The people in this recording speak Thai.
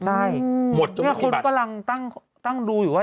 ใช่หมดจนกว่า๑๐บาทนี่คุณกำลังตั้งดูอยู่ว่า